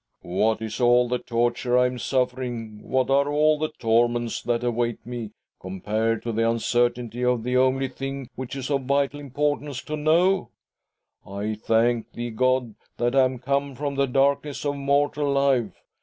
" What is all the torture I am suffering, what are all the . torments that await me, compared to the ■.■—= TT. r 134 THY SOUL SHALL BEAR WITNESS ! uncertainty of the only thing which is of vital importance to know? I thank thee, God, that I am come from the darkness of mortal life.